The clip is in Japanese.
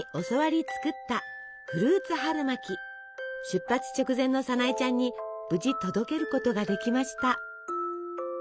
出発直前のさなえちゃんに無事届けることができました。